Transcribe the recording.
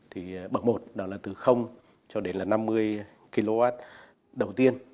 thì bậc một đó là từ cho đến là năm mươi kw đầu tiên